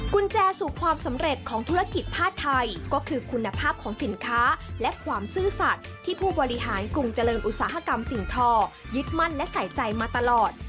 กุญแจสู่ความสำเร็จของธุรกิจผ้าไทยก็คือคุณภาพของสินค้าและความซื่อสัตว์ที่ผู้บริหารกรุงเจริญอุตสาหกรรมสิ่งทอยึดมั่นและใส่ใจมาตลอด